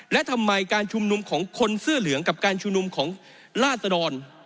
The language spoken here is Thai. และทำไมการชุมนุมของคนเสื้อเหลืองกับการชุมนุมของราศดร